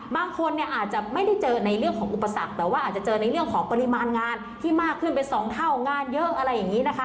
บางคนเนี่ยอาจจะไม่ได้เจอในเรื่องของอุปสรรคแต่ว่าอาจจะเจอในเรื่องของปริมาณงานที่มากขึ้นเป็น๒เท่างานเยอะอะไรอย่างนี้นะคะ